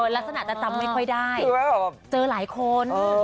ลักษณะจะจำไม่ค่อยได้เจอหลายคน